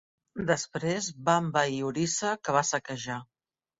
Després va envair Orissa que va saquejar.